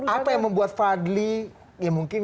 apa yang membuat fadli ya mungkin